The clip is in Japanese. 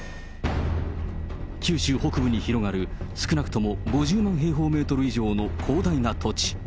九州北部に広がる、少なくとも５０万平方メートル以上の広大な土地。